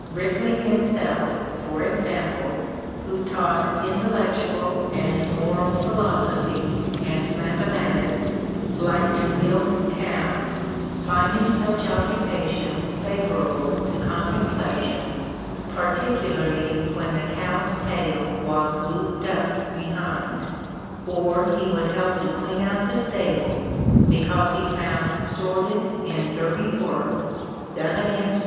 Ripley himself, for example, who taught intellectual and moral philosophy and mathematics, liked to milk cows, finding such occupation favourable to contemplation, " par ticularly when the cow's tail was looped up behind "; or he would help to clean out the stables because he found sordid and dirty work done against